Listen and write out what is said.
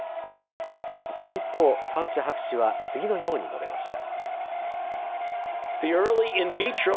その一方、ファウチ博士は次のように述べました。